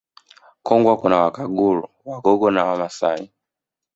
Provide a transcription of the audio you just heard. Kongwa kuna Wakaguru Wagogo na Wamasai